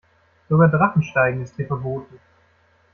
Sogar Drachensteigen ist hier verboten.